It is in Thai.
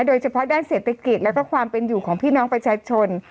โดยเฉพาะด้านเศรษฐกิจแล้วก็ความเป็นอยู่ของพี่น้องประชาชน